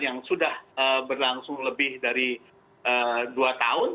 yang sudah berlangsung lebih dari dua tahun